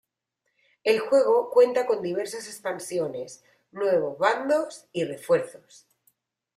El juego cuenta con diversas expansiones, nuevos bandos y refuerzos.